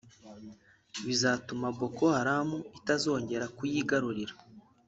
bizatuma Boko Haram itazongera kuyigarurira